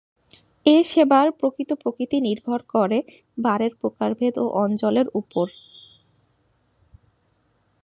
এ সেবার প্রকৃত প্রকৃতি নির্ভর করে বারের প্রকারভেদ ও অঞ্চলের ওপর।